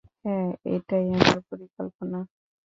হ্যাঁ, এটাই আমার পরিকল্পনা।